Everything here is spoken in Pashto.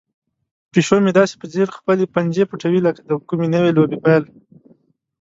پیشو مې داسې په ځیر خپلې پنجې پټوي لکه د کومې نوې لوبې پیل.